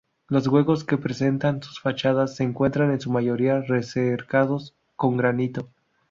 Los huecos que presentan sus fachadas se encuentran en su mayoría recercados con granito.